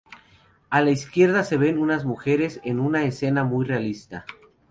A la izquierda se ven unas mujeres en una escena muy realista.